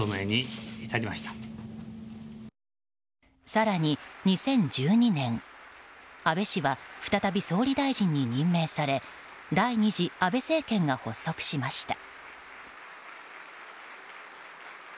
さらに２０１２年安倍氏は再び総理大臣に任命され第２次安倍政権が発足しました。